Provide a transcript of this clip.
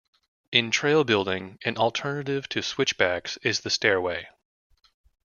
In trail building, an alternative to switchbacks is the stairway.